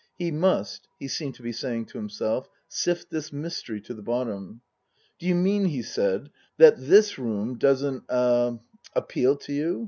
He must he seemed to be saying to himself sift this mystery to the bottom. " D'you mean," he said, " that this room doesn't er appeal to you